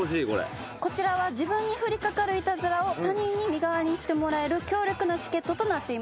こちらは自分に降りかかるイタズラを他人に身代わりしてもらえる強力なチケットとなっています。